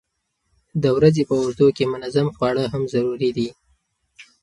د ورځې په اوږدو کې منظم خواړه هم ضروري دي.